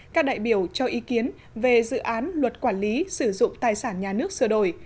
các đại biểu cho ý kiến về dự án luật quản lý sử dụng tài sản nhà nước sửa đổi